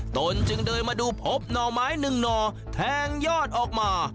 ตนจึงเดินมาดูพบหน่อไม้หนึ่งหน่อแทงยอดออกมา